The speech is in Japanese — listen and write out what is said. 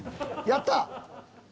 やった！